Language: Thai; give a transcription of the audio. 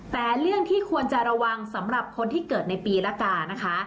แต่เรื่องที่ควรจะระวังสำหรับคนที่เกิดในปีละกานะคะ